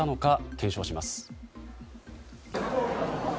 検証します。